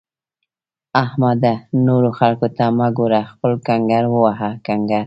احمده! نورو خلګو ته مه ګوره؛ خپل کنګړ وهه کنکړ!